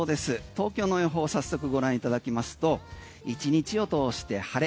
東京の予報を早速ご覧いただきますと１日を通して晴れ。